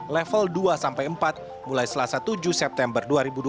level dua sampai empat mulai selasa tujuh september dua ribu dua puluh